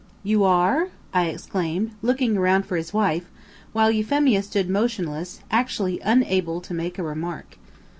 "You are?" I exclaimed, looking around for his wife, while Euphemia stood motionless, actually unable to make a remark.